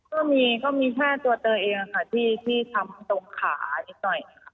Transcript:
ก็มีก็มีแค่ตัวเธอเองค่ะที่ทำตรงขานิดหน่อยค่ะ